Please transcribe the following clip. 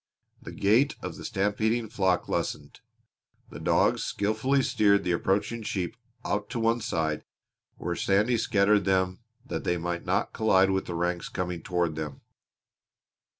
The gait of the stampeding flock lessened. The dogs skilfully steered the approaching sheep out to one side where Sandy scattered them that they might not collide with the ranks coming toward them.